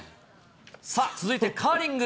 さあ、続いてカーリング。